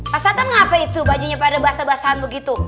pak satam ngapa itu bajunya pada basah basahan begitu